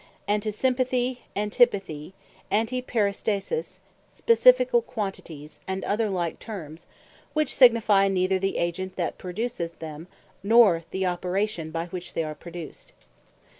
And to Sympathy, Antipathy, Antiperistasis, Specificall Qualities, and other like Termes, which signifie neither the Agent that produceth them, nor the Operation by which they are produced.